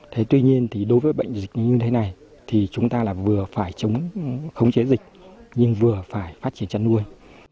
thế tuy nhiên thì đối với bệnh dịch như thế này thì chúng ta là vừa phải chống chế dịch nhưng vừa phải phát triển chăn nuôi